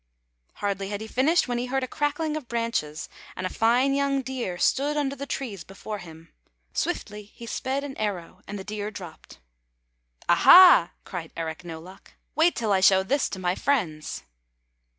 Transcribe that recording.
Hardly had he finished when he heard a crackling of branches, and a fine young deer stood under the trees before him. Swiftly he sped an arrow and the deer dropped. " Ah ha! " cried Eric No Luck. " Wait till I show this to my friends!